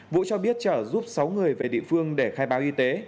vũ cho biết trở giúp sáu người về địa phương để khai báo y tế